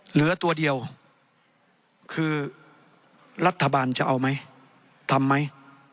เหลือตัวเดียวคือรัฐบาลจะเอาไหมทำไหม